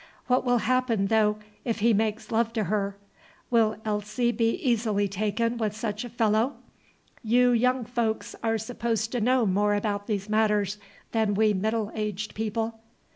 What will happen, though, if he makes love to her? Will Elsie be easily taken with such a fellow? You young folks are supposed to know more about these matters than we middle aged people."